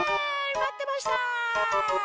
まってました！